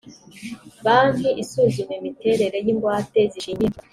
banki isuzuma imiterere y ingwate zishingiye